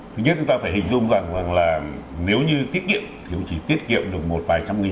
thứ nhất chúng ta phải hình dung rằng là nếu như tiết kiệm thì cũng chỉ tiết kiệm được một vài trăm nghìn tỷ